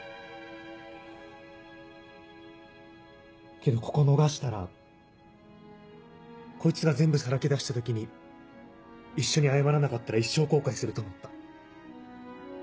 けどここ逃したらこいつが全部さらけ出した時に一緒に謝らなかったら一生後悔すると思った。